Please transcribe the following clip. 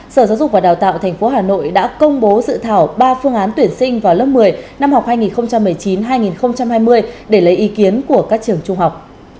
sở giáo dục và đào tạo tp hà nội đã công bố dự thảo ba phương án tuyển sinh vào lớp một mươi năm học hai nghìn một mươi chín hai nghìn hai mươi để lấy ý kiến của các trường trung học